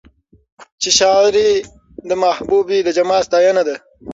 چې شاعري د محبوبې د جمال ستاينه ده